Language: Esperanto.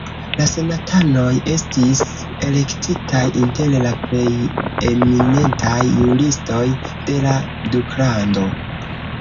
La senatanoj estis elektitaj inter la plej eminentaj juristoj de la duklando.